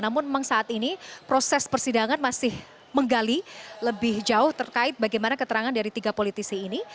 namun memang saat ini proses persidangan masih menggali lebih jauh terkait bagaimana keterangan dari tiga politisi ini